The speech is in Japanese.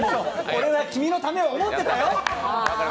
俺は君のためを思ってだよ。